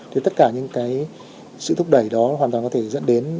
thì tất cả những cái sự thúc đẩy đó hoàn toàn có thể dẫn đến